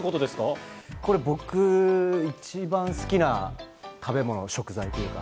これ、僕一番好きな食べ物、食材。